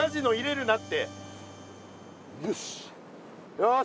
よし。